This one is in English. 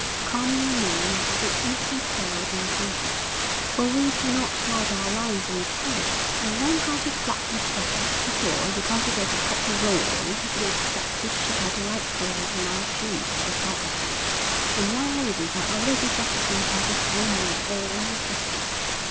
Comb your mane and have it neatly curled and scented, for we do not like our lions unkempt; and learn how to flap your tail; be sure you cultivate a proper roar because we expect to shiver delightfully in our shoes at the sight of you, and young ladies are already practising how to swoon with awe in your presence.